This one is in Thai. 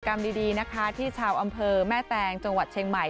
กรรมดีนะคะที่ชาวอำเภอแม่แตงจังหวัดเชียงใหม่